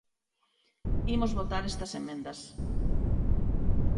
Imos votar estas emendas.